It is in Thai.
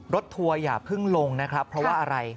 ทัวร์อย่าเพิ่งลงนะครับเพราะว่าอะไร